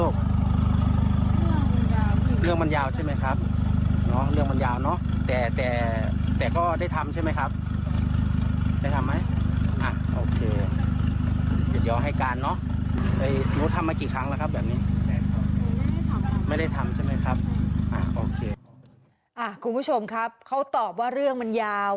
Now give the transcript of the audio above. คุณผู้ชมครับเขาตอบว่าเรื่องมันยาว